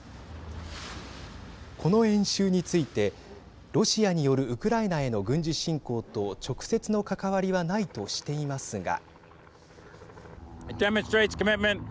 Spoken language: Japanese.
この演習についてロシアによるウクライナへの軍事侵攻と直接の関わりはないとしていますが。